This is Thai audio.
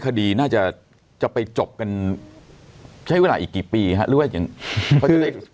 คดีน่าจะจะไปจบกันใช้เวลาอีกกี่ปีฮะหรือว่าอย่าง